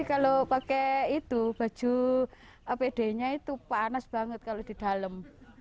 kalau pakai itu baju apd nya itu panas banget kalau di dalam